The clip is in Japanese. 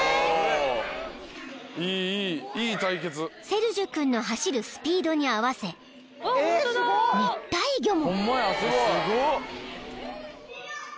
［セルジュ君の走るスピードに合わせ熱帯魚も］